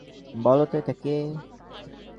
বলো তো এটা কে?